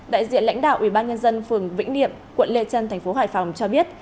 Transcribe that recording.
đại diện lãnh đạo ubnd phường vĩnh niệm quận lê trân tp hải phòng cho biết